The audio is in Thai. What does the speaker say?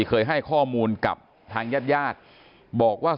เคยให้ข้อมูลกับทางญาติญาติบอกว่า